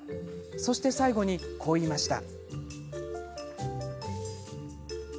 そして最後に、こう言いました。